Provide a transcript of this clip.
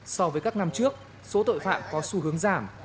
so với các năm trước số tội phạm có xu hướng giảm